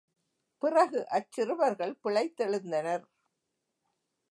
பிறகு அச் சிறுவர்கள் பிழைத்தெழுந்தனர்.